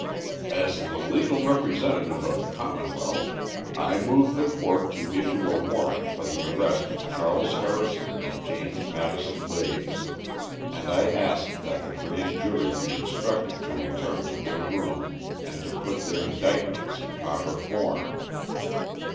"As the legal representative of the commonwealth, I move the court to issue a warrant for the arrest of Charles Harrison and James Madison Raves, and I ask that the grand jury be instructed to return to their room and to put their indictments in proper form."